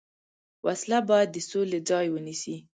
وسله باید د سولې ځای ونیسي